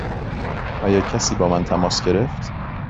آیا کسی با من تماس گرفت؟